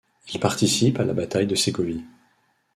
Il participe à la bataille de Ségovie.